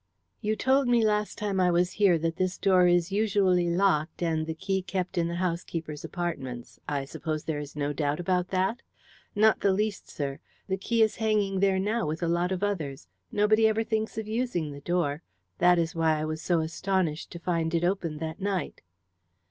"You told me last time I was here that this door is usually locked and the key kept in the housekeeper's apartments. I suppose there is no doubt about that?" "Not the least, sir. The key is hanging there now with a lot of others. Nobody ever thinks of using the door. That is why I was so astonished to find it open that night."